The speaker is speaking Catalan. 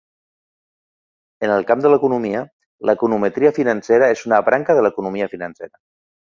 En el camp de l'economia, l'econometria financera és una branca de l'economia financera.